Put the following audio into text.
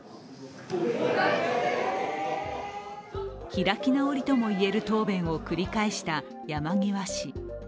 開き直りともいえる答弁を繰り返した山際氏。